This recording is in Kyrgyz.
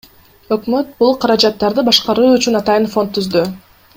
Өкмөт бул каражаттарды башкаруу үчүн атайын фонд түздү.